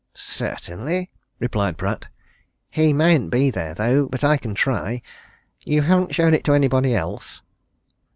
"Certainly," replied Pratt. "He mayn't be there, though. But I can try. You haven't shown it to anybody else?"